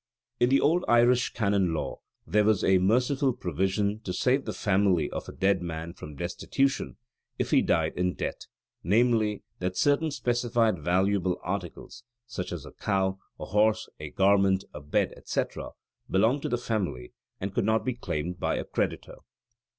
In the old Irish Canon Law, there was a merciful provision to save the family of a dead man from destitution if he died in debt; namely, that certain specified valuable articles such as a cow, a horse, a garment, a bed, etc. belonged to the family, and could not be claimed by a creditor.